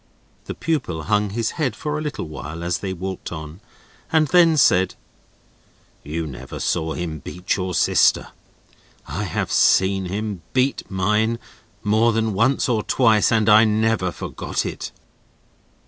The pupil hung his head for a little while, as they walked on, and then said: "You never saw him beat your sister. I have seen him beat mine, more than once or twice, and I never forgot it."